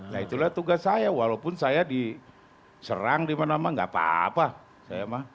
nah itulah tugas saya walaupun saya diserang dimana mana gak apa apa